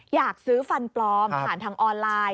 อยากซื้อฟันปลอมผ่านทางออนไลน์